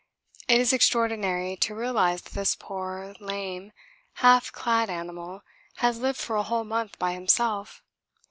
It is extraordinary to realise that this poor, lame, half clad animal has lived for a whole month by himself.